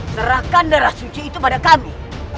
serahkan darah suci itu pada kami